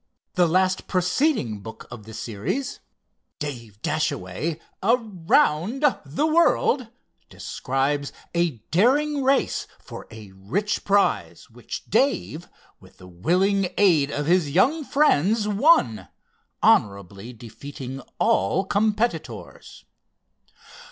The last preceding book of the series, "Dave Dashaway Around The World," describes a daring race for a rich prize, which Dave, with the willing aid of his young friends, won, honorably defeating all competitors.